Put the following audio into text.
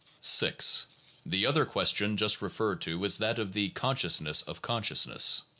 6. The other question just referred to is that of the "con sciousness of consciousness."